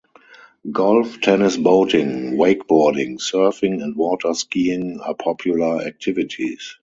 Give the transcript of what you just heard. Golf, tennis, boating, wakeboarding, surfing and water skiing are popular activities.